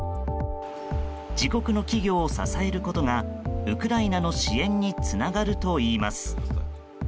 自国の企業を支えることがウクライナの支援につながるといいます。